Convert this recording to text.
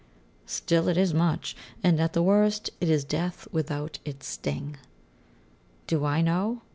Still, it is much; and, at the worst, it is death without its sting. Do I know?